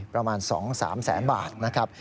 ประมาณ๒๓แสนบาทนะครับ